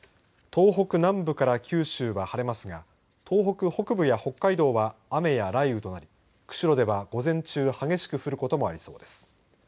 東北南部から九州は晴れるますが東北北部や北海道は雨や雷雨となり釧路では午前中激しく降ることもありそうです。